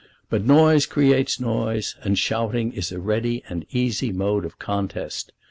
But noise creates noise, and shouting is a ready and easy mode of contest.